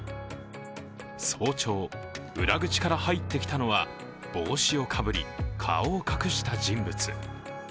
早朝、裏口から入ってきたのは帽子をかぶり顔を隠した人物。